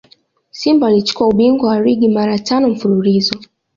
simba walichukua ubingwa wa ligi mara tano mfululizo